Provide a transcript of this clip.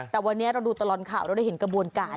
แต่วันนี้เราดูตลอดข่าวเราได้เห็นกระบวนการ